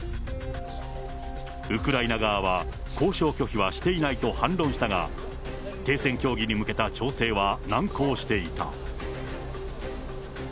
ウクライナ側は、交渉拒否はしていないと反論したが、停戦協議に向けた調整は難航していた。